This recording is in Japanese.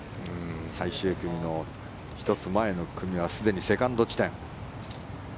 最終組の１つ前の組はすでにセカンド地点。